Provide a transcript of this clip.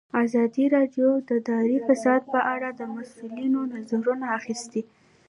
ازادي راډیو د اداري فساد په اړه د مسؤلینو نظرونه اخیستي.